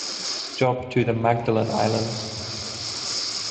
Job to the Magdalen Islands.